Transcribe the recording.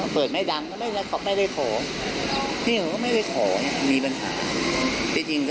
เมื่อนบ้างก็ยืนยันว่ามันเป็นแบบนั้นจริง